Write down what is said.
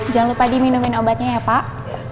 jangan lupa diminumin obatnya ya pak